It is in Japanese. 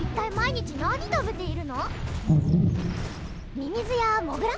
ミミズやモグラ？